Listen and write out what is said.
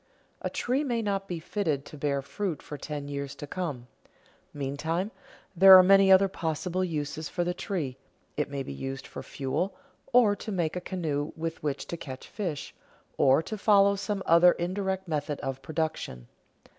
A tree may not be fitted to bear fruit for ten years to come. Meantime, there are many other possible uses for the tree: it may be used for fuel, or to make a canoe with which to catch fish, or to follow some other indirect method of production.